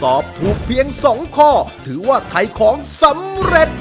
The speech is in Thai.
ตอบถูกเพียง๒ข้อถือว่าขายของสำเร็จ